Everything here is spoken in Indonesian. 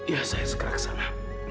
ya saya sekarang kesana